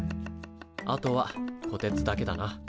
あとはこてつだけだな。